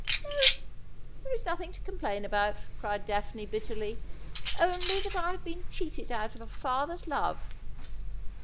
' No ; there is nothing to complain about,' cried Daphne 58 Asphodel. bitterly, ' only that I have been cheated out of a father's love.